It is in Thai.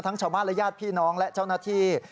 ทั้งชาวมารยาทพี่น้องและเจ้าหน้าที่